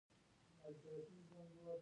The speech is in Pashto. هغه وویل چې دا خو رښتیا هم سلای فاکس دی